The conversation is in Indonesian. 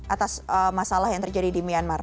atas masalah yang terjadi di myanmar